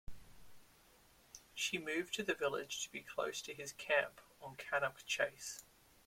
She moved to the village to be close to his camp on Cannock Chase.